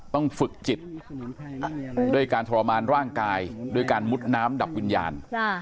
ต้องฝึกจิตด้วยการทรมานร่างกายด้วยการมุดน้ำดับวิญญาณ